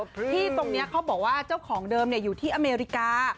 ที่ตรงนี้เขาบอกว่าเจ้าของเดิมอยู่ที่อเมริกา